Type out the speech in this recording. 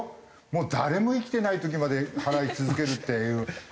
誰も生きてない時まで払い続けるっていう話じゃない。